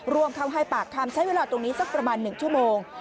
ร่วมเข้าให้ปากคำใช้เวลาตรงนี้สักประมาณ๑ชั่วโมง